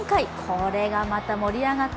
これがまた盛り上がった。